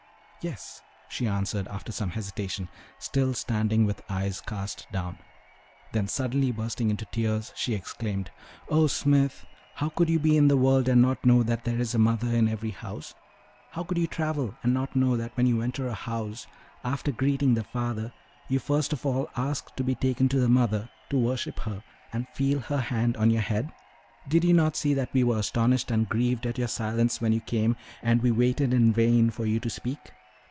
"Yes," she answered, after some hesitation, still standing with eyes cast down. Then suddenly, bursting into tears, she exclaimed: "Oh, Smith, how could you be in the world and not know that there is a mother in every house! How could you travel and not know that when you enter a house, after greeting the father, you first of all ask to be taken to the mother to worship her and feel her hand on your head? Did you not see that we were astonished and grieved at your silence when you came, and we waited in vain for you to speak?"